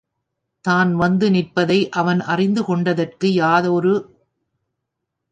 தான் வந்து நிற்பதை அவன் அறிந்து கொண்டதற்கு யாதொரு.